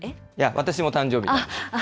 私も誕生日なんです。